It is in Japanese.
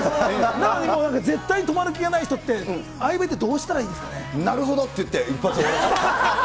なのにもう絶対止まる気がない人って、ああいう場ってどうしたらなるほどって言って、一発で。